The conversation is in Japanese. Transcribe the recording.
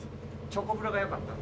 チョコプラがよかった？